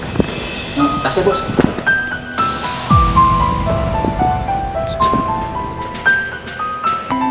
oh kasih bos